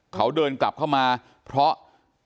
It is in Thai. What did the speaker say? เขาเดินกลับเข้ามาเพราะ